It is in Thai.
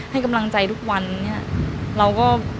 ให้กำลังใจทุกวันเนี่ยเราก็